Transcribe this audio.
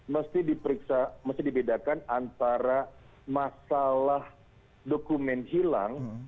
mesti diperiksa mesti dibedakan antara masalah dokumen hilang